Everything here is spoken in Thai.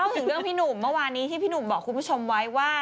ถึงเรื่องพี่หนุ่มเมื่อวานนี้ที่พี่หนุ่มบอกคุณผู้ชมไว้ว่า